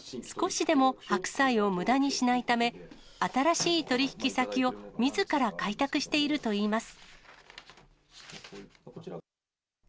少しでも白菜をむだにしないため、新しい取り引き先をみずから開拓しているといいます。